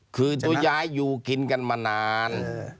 คือจะย้ายอยู่กินกันมานาน